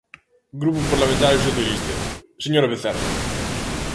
Grupo Parlamentario Socialista, señora Vecerra.